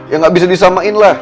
ya nggak bisa disamain lah